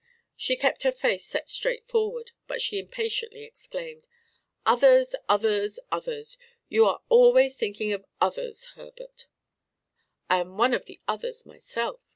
She kept her face set straight forward; but she impatiently exclaimed: "Others, others, others! You are always thinking of others, Herbert!" "I am one of them myself! I am one of the others myself!"